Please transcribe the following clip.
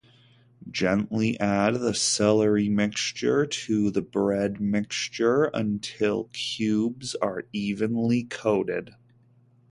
Gently add the celery mixture to the bread mixture until cubes are evenly coated.